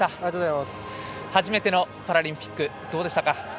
初めてのパラリンピックどうでしたか？